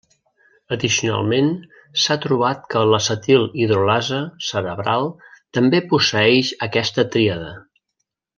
Addicionalment s’ha trobat que l’acetil hidrolasa cerebral també posseeix aquesta tríada.